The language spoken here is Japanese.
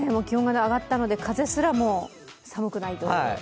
気温が上がったので風すらも寒くないと。